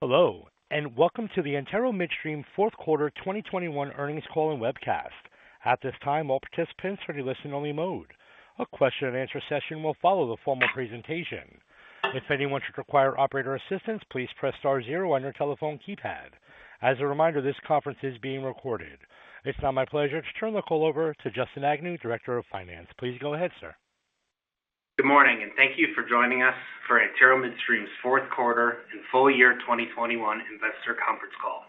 Hello, and welcome to the Antero Midstream fourth quarter 2021 earnings call and webcast. At this time, all participants are in listen-only mode. A question-and-answer session will follow the formal presentation. If anyone should require operator assistance, please press star zero on your telephone keypad. As a reminder, this conference is being recorded. It's now my pleasure to turn the call over to Justin Agnew, Director of Finance. Please go ahead, sir. Good morning, and thank you for joining us for Antero Midstream's fourth quarter and full year 2021 investor conference call.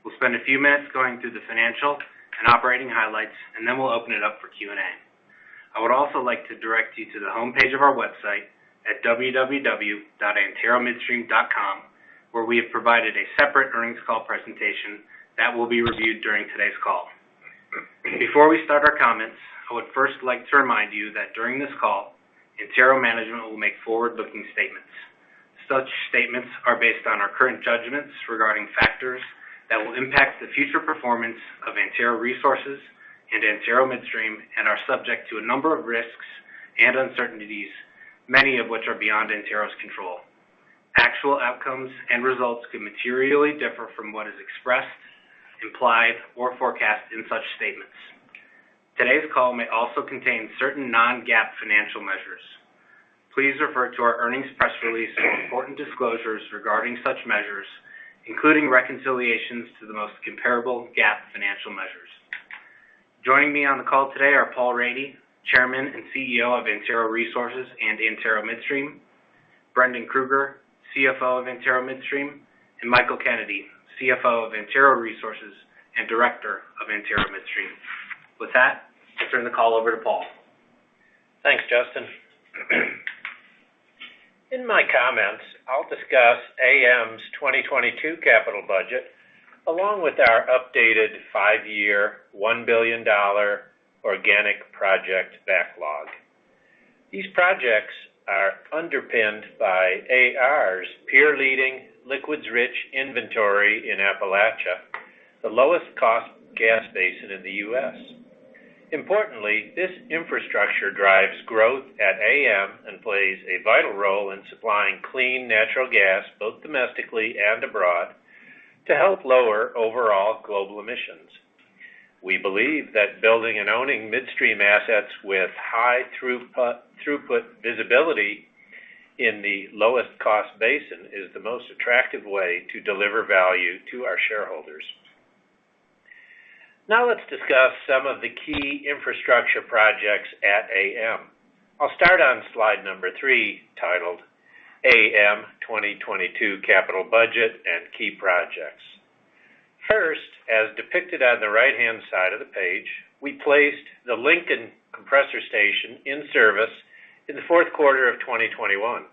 We'll spend a few minutes going through the financial and operating highlights, and then we'll open it up for Q&A. I would also like to direct you to the homepage of our website at www.anteromidstream.com, where we have provided a separate earnings call presentation that will be reviewed during today's call. Before we start our comments, I would first like to remind you that during this call, Antero management will make forward-looking statements. Such statements are based on our current judgments regarding factors that will impact the future performance of Antero Resources and Antero Midstream and are subject to a number of risks and uncertainties, many of which are beyond Antero's control. Actual outcomes and results can materially differ from what is expressed, implied, or forecast in such statements. Today's call may also contain certain non-GAAP financial measures. Please refer to our earnings press release for important disclosures regarding such measures, including reconciliations to the most comparable GAAP financial measures. Joining me on the call today are Paul Rady, Chairman and CEO of Antero Resources and Antero Midstream, Brendan Krueger, CFO of Antero Midstream, and Michael Kennedy, CFO of Antero Resources and Director of Antero Midstream. With that, I turn the call over to Paul. Thanks, Justin. In my comments, I'll discuss AM's 2022 capital budget, along with our updated five-year, $1 billion organic project backlog. These projects are underpinned by AR's peer leading liquids-rich inventory in Appalachia, the lowest cost gas basin in the U.S. Importantly, this infrastructure drives growth at AM and plays a vital role in supplying clean natural gas, both domestically and abroad, to help lower overall global emissions. We believe that building and owning midstream assets with high throughput visibility in the lowest cost basin is the most attractive way to deliver value to our shareholders. Now let's discuss some of the key infrastructure projects at AM. I'll start on slide 3, titled AM 2022 Capital Budget and Key Projects. First, as depicted on the right-hand side of the page, we placed the Lincoln Compressor Station in service in the fourth quarter of 2021,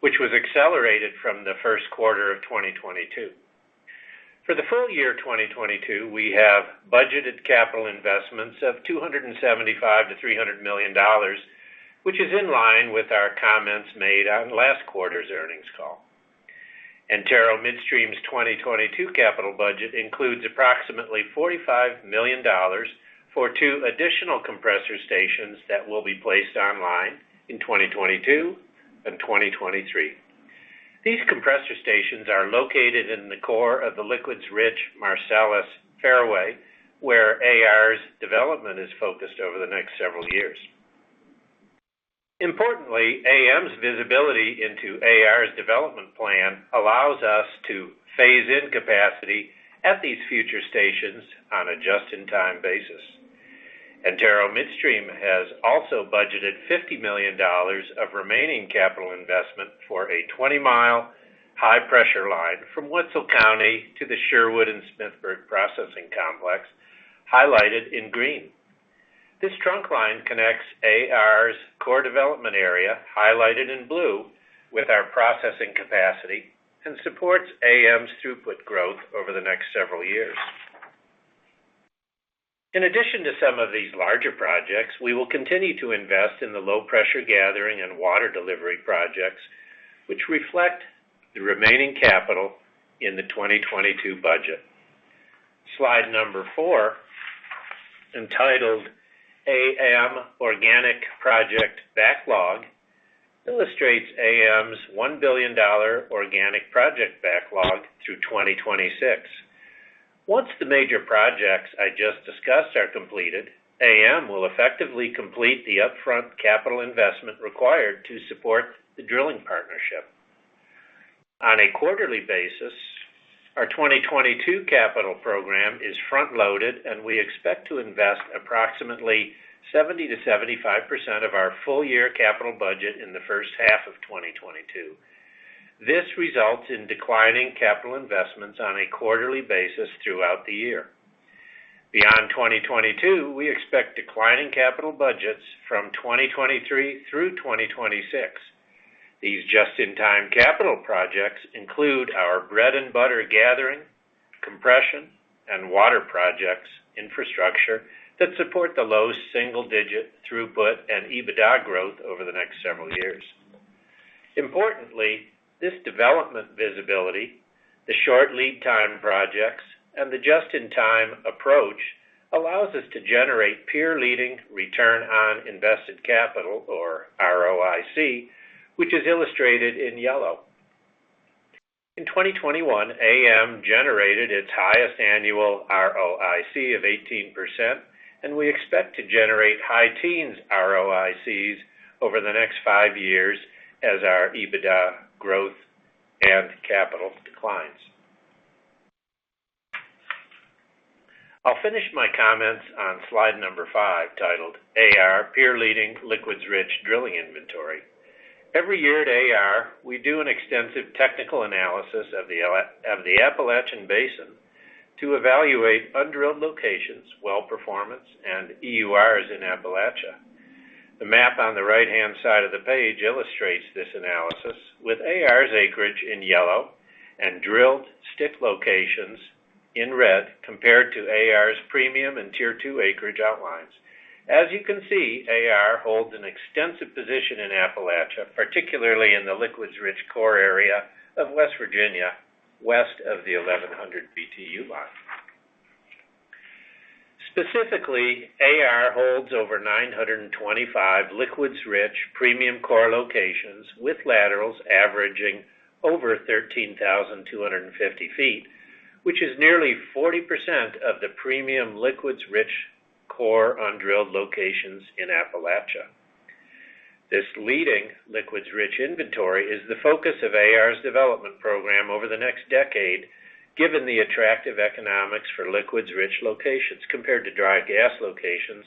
which was accelerated from the first quarter of 2022. For the full year 2022, we have budgeted capital investments of $275 million-$300 million, which is in line with our comments made on last quarter's earnings call. Antero Midstream's 2022 capital budget includes approximately $45 million for two additional compressor stations that will be placed online in 2022 and 2023. These compressor stations are located in the core of the liquids-rich Marcellus Fairway, where AR's development is focused over the next several years. Importantly, AM's visibility into AR's development plan allows us to phase in capacity at these future stations on a just-in-time basis. Antero Midstream has also budgeted $50 million of remaining capital investment for a 20-mi high-pressure line from Wetzel County to the Sherwood and Smithburg processing complex highlighted in green. This trunk line connects AR's core development area, highlighted in blue, with our processing capacity and supports AM's throughput growth over the next several years. In addition to some of these larger projects, we will continue to invest in the low-pressure gathering and water delivery projects, which reflect the remaining capital in the 2022 budget. Slide number 4, entitled AM Organic Project Backlog, illustrates AM's $1 billion organic project backlog through 2026. Once the major projects I just discussed are completed, AM will effectively complete the upfront capital investment required to support the drilling partnership. On a quarterly basis, our 2022 capital program is front-loaded, and we expect to invest approximately 70%-75% of our full year capital budget in the first half of 2022. This results in declining capital investments on a quarterly basis throughout the year. Beyond 2022, we expect declining capital budgets from 2023 through 2026. These just-in-time capital projects include our bread and butter gathering, compression, and water projects infrastructure that support the low single-digit throughput and EBITDA growth over the next several years. Importantly, this development visibility, the short lead time projects, and the just-in-time approach allows us to generate peer-leading return on invested capital, or ROIC, which is illustrated in yellow. In 2021, AM generated its highest annual ROIC of 18%, and we expect to generate high teens ROICs over the next five years as our EBITDA growth and capital declines. I'll finish my comments on slide number 5, titled AR Peer Leading Liquids-Rich Drilling Inventory. Every year at AR, we do an extensive technical analysis of the Appalachian Basin to evaluate undrilled locations, well performance, and EURs in Appalachia. The map on the right-hand side of the page illustrates this analysis with AR's acreage in yellow and drilled STIP locations in red compared to AR's premium and Tier 2 acreage outlines. As you can see, AR holds an extensive position in Appalachia, particularly in the liquids-rich core area of West Virginia, west of the 1,100 BTU line. Specifically, AR holds over 925 liquids-rich premium core locations with laterals averaging over 13,250 feet, which is nearly 40% of the premium liquids-rich core undrilled locations in Appalachia. This leading liquids-rich inventory is the focus of AR's development program over the next decade, given the attractive economics for liquids-rich locations compared to dry gas locations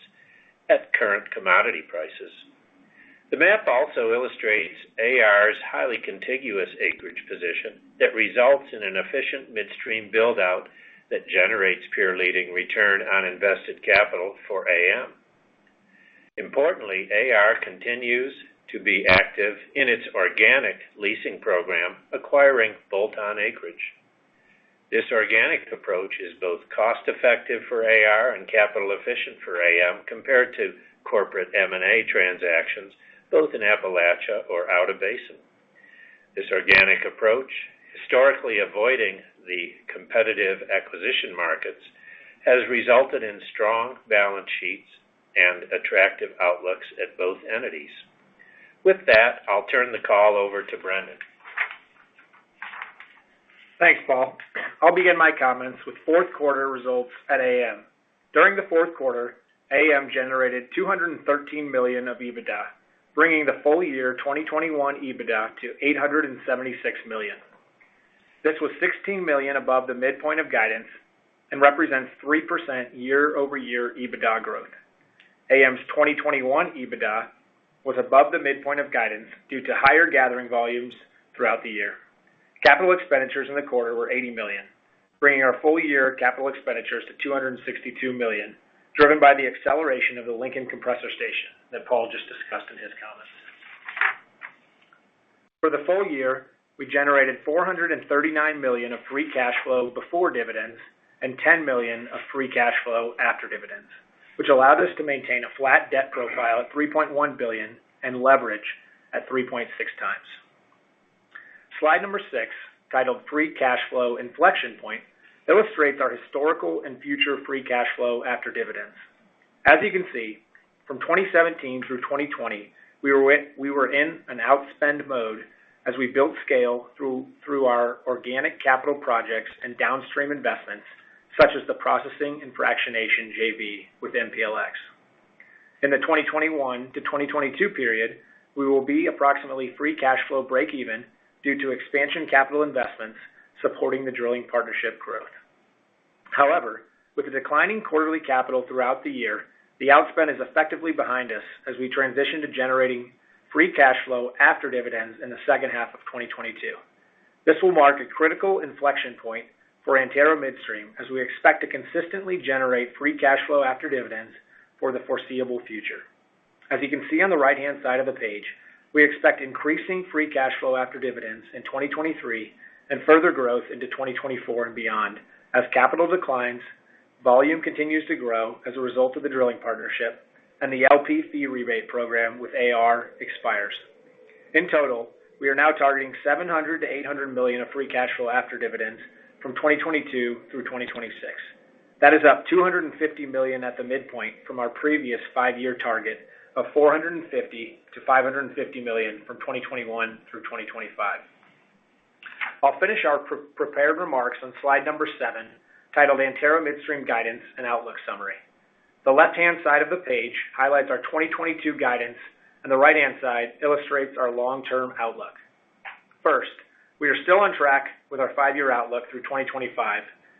at current commodity prices. The map also illustrates AR's highly contiguous acreage position that results in an efficient midstream build-out that generates peer-leading return on invested capital for AM. Importantly, AR continues to be active in its organic leasing program, acquiring bolt-on acreage. This organic approach is both cost-effective for AR and capital efficient for AM compared to corporate M&A transactions, both in Appalachia or out-of-basin. This organic approach, historically avoiding the competitive acquisition markets, has resulted in strong balance sheets and attractive outlooks at both entities. With that, I'll turn the call over to Brendan. Thanks, Paul. I'll begin my comments with fourth quarter results at AM. During the fourth quarter, AM generated $213 million of EBITDA, bringing the full year 2021 EBITDA to $876 million. This was $16 million above the midpoint of guidance and represents 3% year-over-year EBITDA growth. AM's 2021 EBITDA was above the midpoint of guidance due to higher gathering volumes throughout the year. Capital expenditures in the quarter were $80 million, bringing our full-year capital expenditures to $262 million, driven by the acceleration of the Lincoln Compressor Station that Paul just discussed in his comments. For the full year, we generated $439 million of free cash flow before dividends and $10 million of free cash flow after dividends, which allowed us to maintain a flat debt profile at $3.1 billion and leverage at 3.6x. Slide 6, titled Free Cash Flow Inflection Point, illustrates our historical and future free cash flow after dividends. As you can see, from 2017 through 2020, we were in an outspend mode as we built scale through our organic capital projects and downstream investments, such as the processing and fractionation JV with MPLX. In the 2021 to 2022 period, we will be approximately free cash flow breakeven due to expansion capital investments supporting the drilling partnership growth. However, with the declining quarterly capital throughout the year, the outspend is effectively behind us as we transition to generating free cash flow after dividends in the second half of 2022. This will mark a critical inflection point for Antero Midstream as we expect to consistently generate free cash flow after dividends for the foreseeable future. As you can see on the right-hand side of the page, we expect increasing free cash flow after dividends in 2023 and further growth into 2024 and beyond. As capital declines, volume continues to grow as a result of the drilling partnership, and the LP fee rebate program with AR expires. In total, we are now targeting $700 million-$800 million of free cash flow after dividends from 2022 through 2026. That is up $250 million at the midpoint from our previous five-year target of $450 million-$550 million from 2021 through 2025. I'll finish our prepared remarks on slide 7, titled Antero Midstream Guidance and Outlook Summary. The left-hand side of the page highlights our 2022 guidance, and the right-hand side illustrates our long-term outlook. First, we are still on track with our five-year outlook through 2025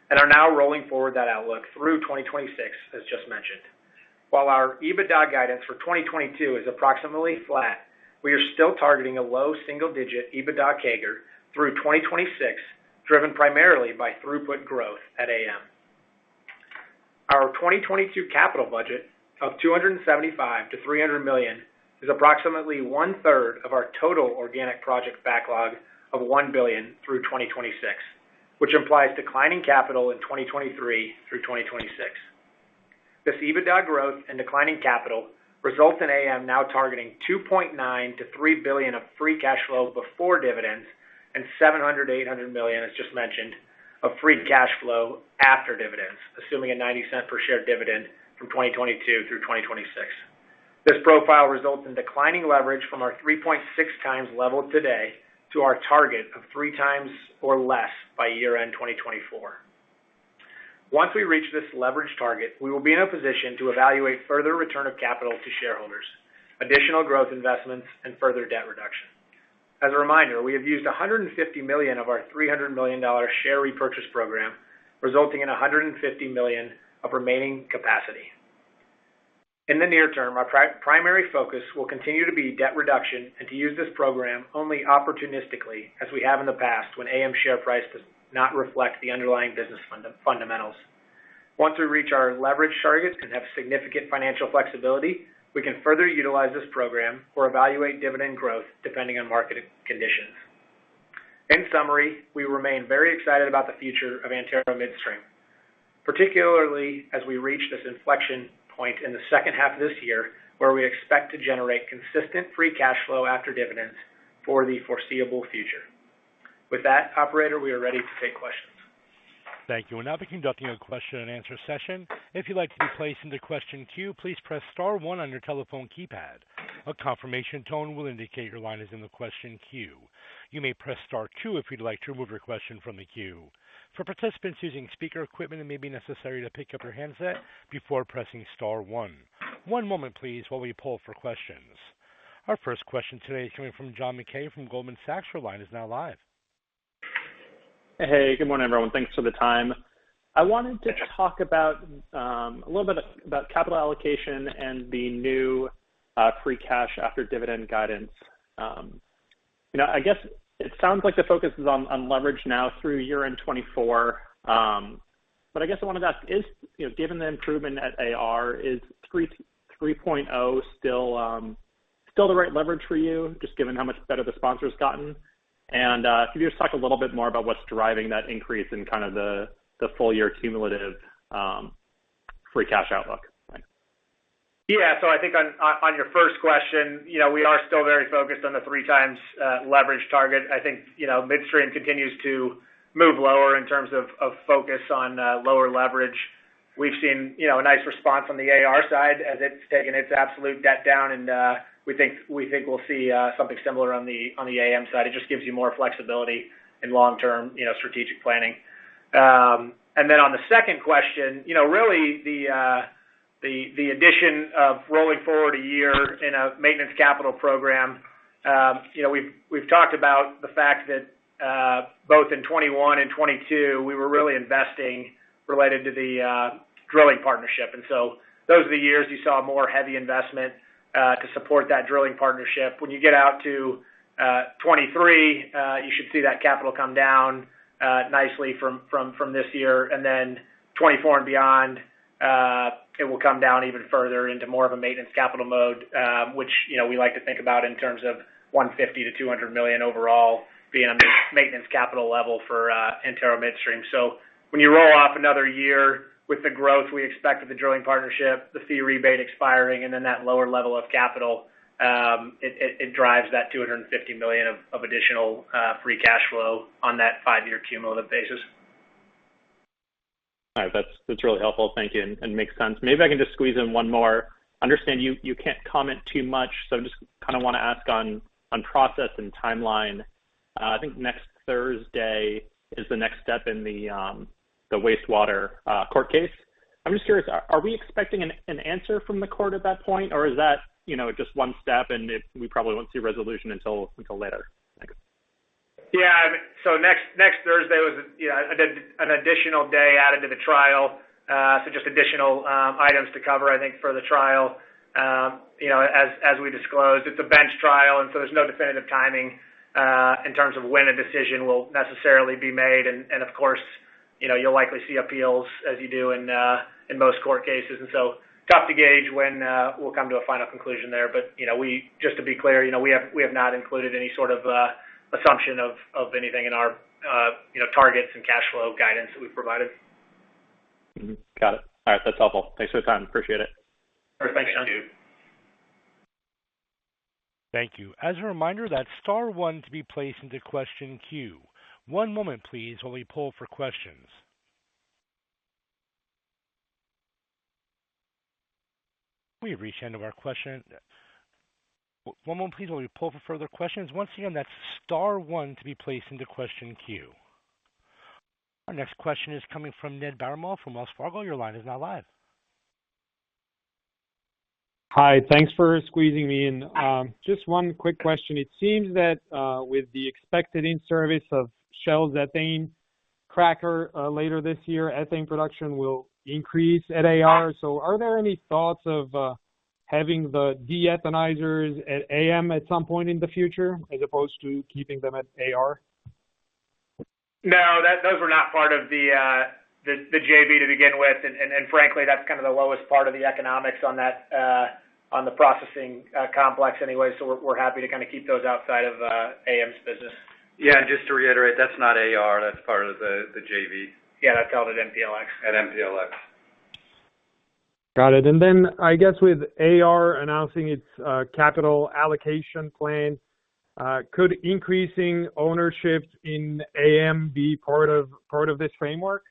and are now rolling forward that outlook through 2026, as just mentioned. While our EBITDA guidance for 2022 is approximately flat, we are still targeting a low single-digit EBITDA CAGR through 2026, driven primarily by throughput growth at AM. Our 2022 capital budget of $275 million-$300 million is approximately one-third of our total organic project backlog of $1 billion through 2026, which implies declining capital in 2023 through 2026. This EBITDA growth and declining capital results in AM now targeting $2.9 billion-$3 billion of free cash flow before dividends and $700 million-$800 million, as just mentioned, of free cash flow after dividends, assuming a $0.90 per share dividend from 2022 through 2026. This profile results in declining leverage from our 3.6x level today to our target of 3x or less by year-end 2024. Once we reach this leverage target, we will be in a position to evaluate further return of capital to shareholders, additional growth investments and further debt reduction. As a reminder, we have used $150 million of our $300 million share repurchase program, resulting in $150 million of remaining capacity. In the near term, our primary focus will continue to be debt reduction and to use this program only opportunistically, as we have in the past when AM share price does not reflect the underlying business fundamentals. Once we reach our leverage targets and have significant financial flexibility, we can further utilize this program or evaluate dividend growth depending on market conditions. In summary, we remain very excited about the future of Antero Midstream, particularly as we reach this inflection point in the second half of this year, where we expect to generate consistent free cash flow after dividends for the foreseeable future. With that, operator, we are ready to take questions. Thank you. We'll now be conducting a question and answer session. If you'd like to be placed into question queue, please press star one on your telephone keypad. A confirmation tone will indicate your line is in the question queue. You may press star two if you'd like to remove your question from the queue. For participants using speaker equipment, it may be necessary to pick up your handset before pressing star one. One moment please, while we poll for questions. Our first question today is coming from John Mackay from Goldman Sachs. Your line is now live. Hey, good morning, everyone. Thanks for the time. I wanted to talk about a little bit about capital allocation and the new free cash after dividend guidance. You know, I guess it sounds like the focus is on leverage now through year-end 2024. But I guess I wanna ask, you know, given the improvement at AR, is 3.0 still the right leverage for you, just given how much better the sponsor's gotten? Could you just talk a little bit more about what's driving that increase in the full year cumulative free cash outlook? Thanks. Yeah. I think on your first question, you know, we are still very focused on the 3x leverage target. I think, you know, Midstream continues to move lower in terms of focus on lower leverage. We've seen, you know, a nice response from the AR side as it's taken its absolute debt down, and we think we'll see something similar on the AM side. It just gives you more flexibility in long-term, you know, strategic planning. On the second question, you know, really the addition of rolling forward a year in a maintenance capital program, you know, we've talked about the fact that both in 2021 and 2022, we were really investing related to the drilling partnership. Those are the years you saw more heavy investment to support that drilling partnership. When you get out to 2023, you should see that capital come down nicely from this year. 2024 and beyond, it will come down even further into more of a maintenance capital mode, which, you know, we like to think about in terms of $150 million-$200 million overall being a maintenance capital level for Antero Midstream. When you roll off another year with the growth we expect of the drilling partnership, the fee rebate expiring and then that lower level of capital, it drives that $250 million of additional free cash flow on that five-year cumulative basis. All right. That's really helpful. Thank you and makes sense. Maybe I can just squeeze in one more. I understand you can't comment too much, so I'm just kinda wanna ask on process and timeline. I think next Thursday is the next step in the wastewater court case. I'm just curious, are we expecting an answer from the court at that point, or is that, you know, just one step and we probably won't see resolution until later? Thanks. Next Thursday was an additional day added to the trial, so just additional items to cover, I think, for the trial. As we disclosed, it's a bench trial, and there's no definitive timing in terms of when a decision will necessarily be made. Of course, you'll likely see appeals as you do in most court cases. Tough to gauge when we'll come to a final conclusion there. Just to be clear, we have not included any sort of assumption of anything in our targets and cash flow guidance that we've provided. Got it. All right. That's helpful. Thanks for the time. Appreciate it. All right. Thanks, John. Our next question is coming from Ned Baramov from Wells Fargo. Your line is now live. Hi. Thanks for squeezing me in. Just one quick question. It seems that, with the expected in-service of Shell's ethane cracker, later this year, ethane production will increase at AR. Are there any thoughts of having the de-ethanizers at AM at some point in the future as opposed to keeping them at AR? No. Those were not part of the JV to begin with. Frankly, that's kind of the lowest part of the economics on the processing complex anyway. We're happy to kinda keep those outside of AM's business. Yeah. Just to reiterate, that's not AR. That's part of the JV. Yeah. That's held at MPLX. At MPLX. Got it. I guess with AR announcing its capital allocation plan, could increasing ownership in AM be part of this framework?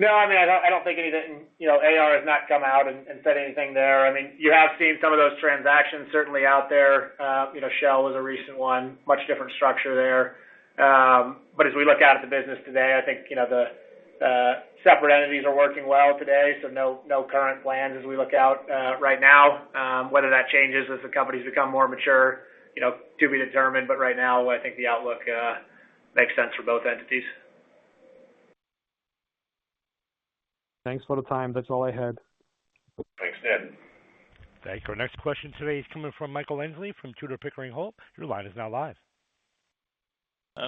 No, I mean, I don't think anything. You know, AR has not come out and said anything there. I mean, you have seen some of those transactions certainly out there. You know, Shell is a recent one, much different structure there. But as we look out at the business today, I think, you know, the separate entities are working well today, so no current plans as we look out right now. Whether that changes as the companies become more mature, you know, to be determined. Right now, I think the outlook makes sense for both entities. Thanks for the time. That's all I had. Thanks, Ned. Thank you. Our next question today is coming from Michael Ensley from Tudor, Pickering, Holt. Your line is now live.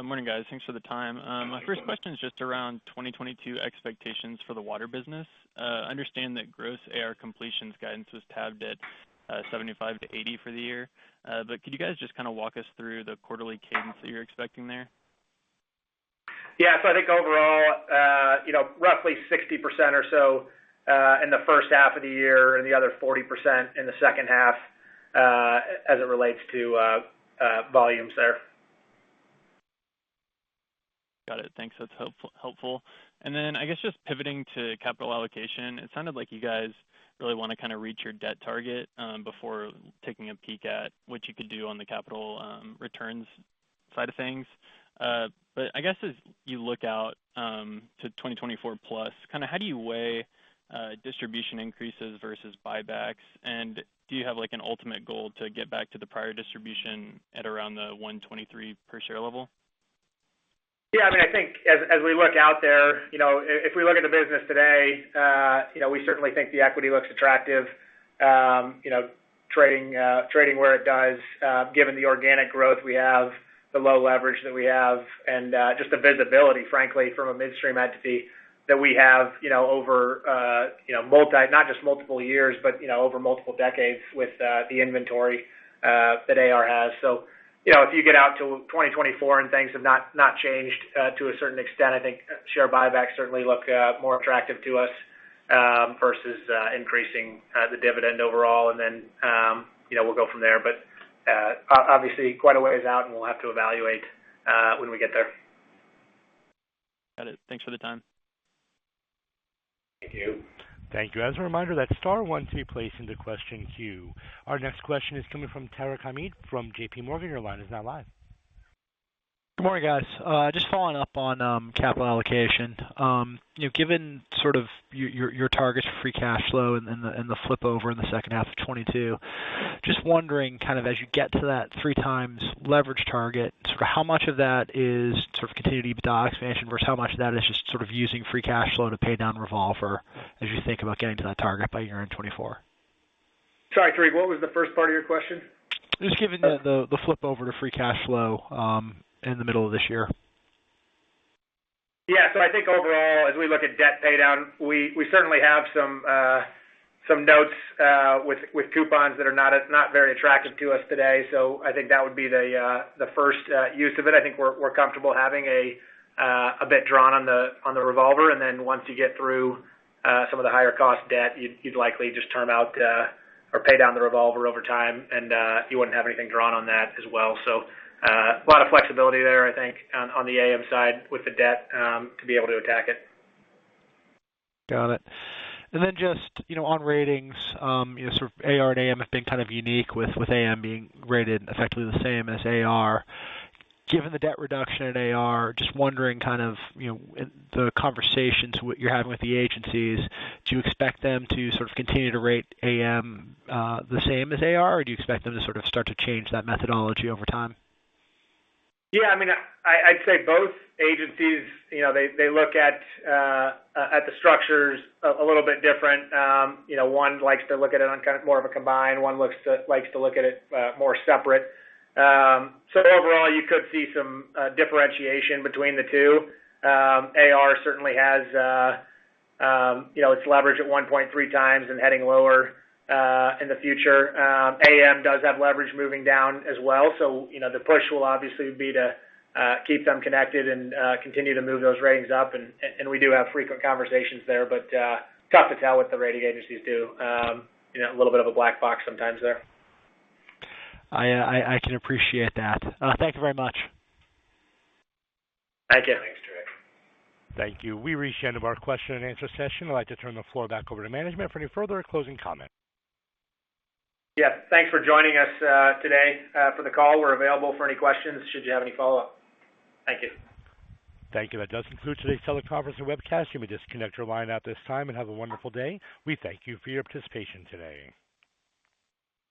Morning, guys. Thanks for the time. My first question is just around 2022 expectations for the water business. I understand that gross AR completions guidance was tabbed at 75-80 for the year. But could you guys just kinda walk us through the quarterly cadence that you're expecting there? Yeah. I think overall, you know, roughly 60% or so in the first half of the year and the other 40% in the second half as it relates to volumes there. Got it. Thanks. That's helpful. I guess just pivoting to capital allocation. It sounded like you guys really wanna kinda reach your debt target before taking a peek at what you could do on the capital returns side of things. I guess as you look out to 2024 plus, kinda how do you weigh distribution increases versus buybacks? Do you have, like, an ultimate goal to get back to the prior distribution at around the $1.23 per share level? Yeah, I mean, I think as we look out there, you know, if we look at the business today, you know, we certainly think the equity looks attractive, you know, trading where it does, given the organic growth we have, the low leverage that we have, and just the visibility, frankly, from a midstream entity that we have, you know, over, you know, not just multiple years, but, you know, over multiple decades with the inventory that AR has. You know, if you get out to 2024 and things have not changed to a certain extent, I think share buybacks certainly look more attractive to us, versus increasing the dividend overall. You know, we'll go from there. Obviously quite a ways out, and we'll have to evaluate when we get there. Got it. Thanks for the time. Thank you. Thank you. As a reminder, that's star one to be placed into question queue. Our next question is coming from Tarek Hamid from JPMorgan. Your line is now live. Good morning, guys. Just following up on capital allocation. You know, given sort of your targets for free cash flow and the flip over in the second half of 2022, just wondering kind of as you get to that 3x leverage target, sort of how much of that is sort of continued EBITDA expansion versus how much of that is just sort of using free cash flow to pay down revolver as you think about getting to that target by year-end 2024. Sorry, Tarek, what was the first part of your question? Just given the flip over to free cash flow in the middle of this year. Yeah. I think overall, as we look at debt pay down, we certainly have some notes with coupons that are not very attractive to us today. I think that would be the first use of it. I think we're comfortable having a bit drawn on the revolver. Once you get through some of the higher cost debt, you'd likely just turn out or pay down the revolver over time, and you wouldn't have anything drawn on that as well. A lot of flexibility there, I think on the AM side with the debt to be able to attack it. Got it. Just, you know, on ratings, you know, sort of AR and AM have been kind of unique with AM being rated effectively the same as AR. Given the debt reduction at AR, just wondering kind of, you know, the conversations you're having with the agencies, do you expect them to sort of continue to rate AM the same as AR or do you expect them to sort of start to change that methodology over time? Yeah, I mean, I'd say both agencies, you know, they look at the structures a little bit different. You know, one likes to look at it on kind of more of a combined, one likes to look at it more separate. Overall, you could see some differentiation between the two. AR certainly has, you know, it's leveraged at 1.3x and heading lower in the future. AM does have leverage moving down as well. You know, the push will obviously be to keep them connected and continue to move those ratings up. We do have frequent conversations there, but tough to tell what the rating agencies do. You know, a little bit of a black box sometimes there. I can appreciate that. Thank you very much. Thank you. Thank you. We've reached the end of our question and answer session. I'd like to turn the floor back over to management for any further closing comments. Yeah. Thanks for joining us today for the call. We're available for any questions, should you have any follow-up. Thank you. Thank you. That does conclude today's teleconference and webcast. You may disconnect your line at this time. Have a wonderful day. We thank you for your participation today.